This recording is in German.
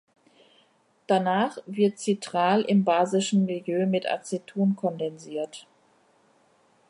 Danach wird Citral im basischen Milieu mit Aceton kondensiert.